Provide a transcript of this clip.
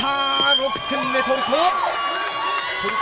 ６点目、トルコ。